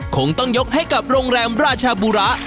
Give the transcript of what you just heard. คงต้องยกให้กับโรงแรมราชบุระ